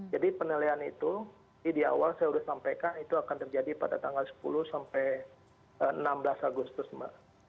jadi penilaian itu di awal saya sudah sampaikan itu akan terjadi pada tanggal sepuluh sampai enam belas agustus mbak